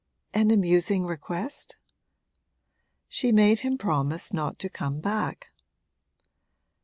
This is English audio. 'An amusing request?' 'She made him promise not to come back.'